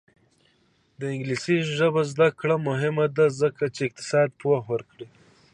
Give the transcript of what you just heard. د انګلیسي ژبې زده کړه مهمه ده ځکه چې اقتصاد پوهه ورکوي.